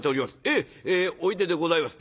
ええおいででございます。